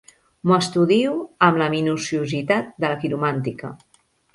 M'ho estudio amb la minuciositat de la quiromàntica.